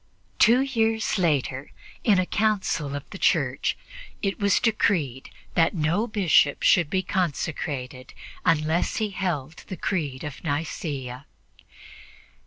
Two years later, in a council of the Church, it was decreed that no Bishop should be consecrated unless he held the Creed of Nicea.